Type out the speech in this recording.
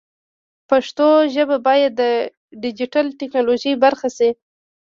پښتو ژبه باید د ډیجیټل ټکنالوژۍ برخه شي.